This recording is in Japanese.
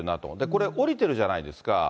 これ、降りてるじゃないですか。